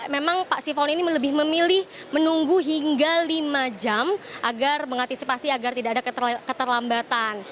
memang pak sifon ini lebih memilih menunggu hingga lima jam agar mengantisipasi agar tidak ada keterlambatan